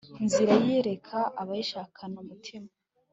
nzira, yiyereka abayishakana umutima